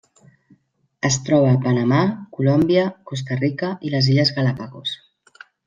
Es troba a Panamà, Colòmbia, Costa Rica i les Illes Galápagos.